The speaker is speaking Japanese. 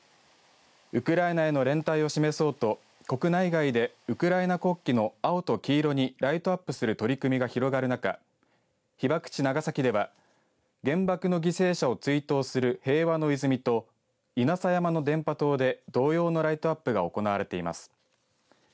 ウクライナへの連帯を示そうと国内外でウクライナ国旗の青と黄色にライトアップする取り組みが広がる中被爆地、長崎では原爆の犠牲者を追悼する平和の泉と稲佐山の電波塔で同様のライトアップが行われています。